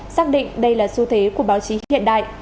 xác định đây là xu thế của báo chí hiện đại